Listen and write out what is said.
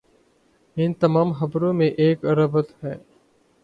ان تمام خبروں میں ایک ربط ہے۔